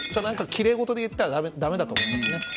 きれいごとで言ったらだめだと思いますね。